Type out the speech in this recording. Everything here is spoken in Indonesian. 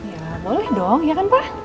ya boleh dong ya kan pak